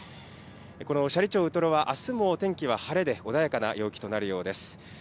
この斜里町ウトロはあすも天気は晴れで、穏やかな陽気となるようです。